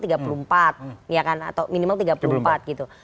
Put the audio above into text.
iya kan atau minimal tiga puluh empat gitu